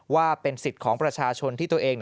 ว่าเป็นสิทธิ์ของประชาชนที่ตัวเอง